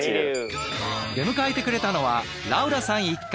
出迎えてくれたのはラウラさん一家。